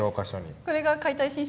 これが「解体新書」の中身